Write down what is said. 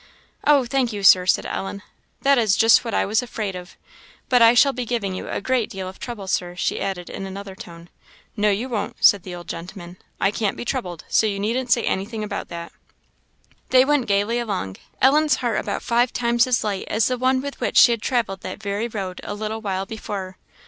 "Oh, thank you, Sir!" said Ellen, "that is just what I was afraid of. But I shall be giving you a great deal of trouble, Sir," she added, in another tone. "No, you won't," said the old gentleman; "I can't be troubled, so you needn't say anything about that." They went gaily along Ellen's heart about five times as light as the one with which she had travelled that very road a little while before.